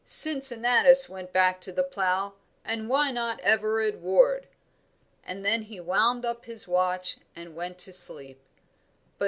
"Cincinnatus went back to the plough, and why not Everard Ward?" And then he wound up his watch and went to sleep.